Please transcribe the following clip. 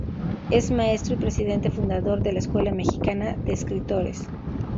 Es maestro y presidente fundador de la Escuela Mexicana de Escritores.